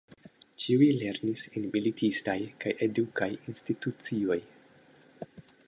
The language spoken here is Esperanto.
Ĉiuj lernis en militistaj kaj edukaj institucioj.